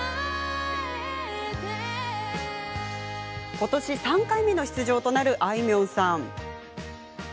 ことし、３回目の出場となるあいみょんさん。